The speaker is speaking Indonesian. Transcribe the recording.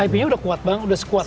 ipnya udah kuat banget udah sekuat itu